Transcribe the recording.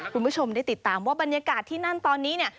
คุณผู้ชมได้ติดตามว่าบรรยากาศที่นั่นตอนนี้เนี่ย